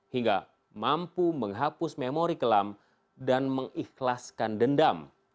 hingga mampu menghapus memori kelam dan mengikhlaskan dendam